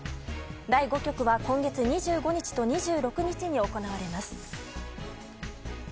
第５局は今月２５日と２６日に行われます。